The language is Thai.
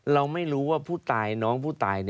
เราไม่รู้ว่าผู้ตายน้องผู้ตาย